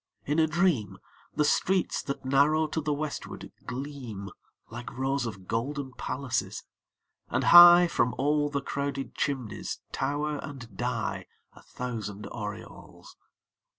In a dream The streets that narrow to the westward gleam Like rows of golden palaces; and high From all the crowded chimneys tower and die A thousand aureoles.